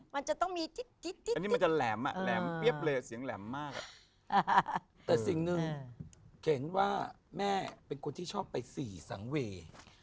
แข็งว่าแม่เป็นคนที่ชอบไปสี่สังเวย์